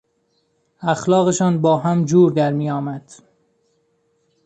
اخلاقشان با هم جور درمیآمد.